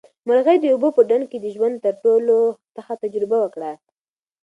مرغۍ د اوبو په ډنډ کې د ژوند تر ټولو تخه تجربه وکړه.